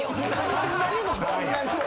そんなにもならんやろ。